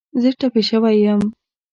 زه ټپې شوی یم